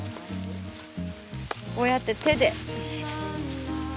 こうやって手で。